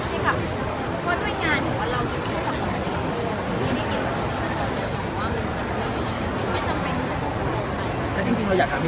อีกรอบข้อที่ต้องรู้จักกับคนในพลังราวจะดีกว่ามันทำให้ทุกคนพักในการใช้ชีวิตขนาดนี้มาก